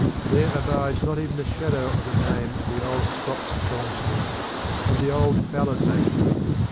There abides not even the shadow of a name of the old Scotch song smiths, of the old ballad makers.